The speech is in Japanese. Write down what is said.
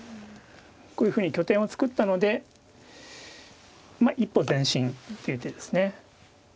こういうふうに拠点を作ったのでまあ一歩前進っていう手ですね。